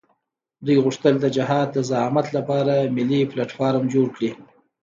دوی غوښتل د جهاد د زعامت لپاره ملي پلټفارم جوړ کړي.